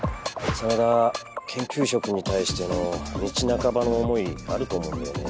真田研究職に対しての道半ばの思いあると思うんだよね。